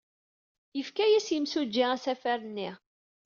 Yefka-as yimsujji asafar-nni.